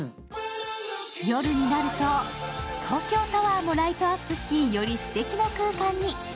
夜になると東京タワーもライトアップしよりすてきな空間に。